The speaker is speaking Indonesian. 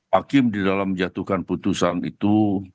hakim di dalam menjatuhkan putusan itu